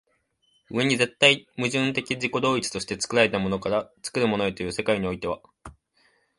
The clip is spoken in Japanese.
上に絶対矛盾的自己同一として作られたものから作るものへという世界においては